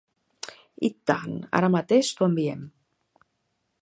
I tant, ara mateix t'ho enviem.